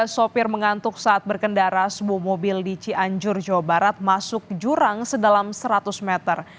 sopir mengantuk saat berkendara sebuah mobil di cianjur jawa barat masuk jurang sedalam seratus meter